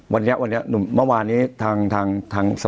เมื่อวานนี้ทาง